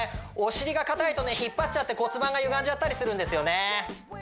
お尻が硬いとね引っ張っちゃって骨盤がゆがんじゃったりするんですよね